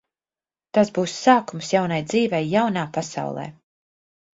Tas būs sākums jaunai dzīvei jaunā pasaulē.